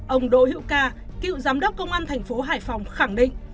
ông đỗ hữu ca cựu giám đốc công an thành phố hải phòng khẳng định